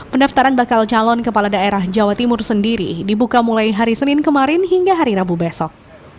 pendaftaran bakal calon kepala daerah jawa timur sendiri dibuka mulai hari senin kemarin hingga hari rabu besok